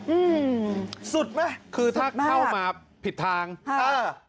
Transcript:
อืมสุดมั้ยคือถ้าเข้ามาผิดทางอ่า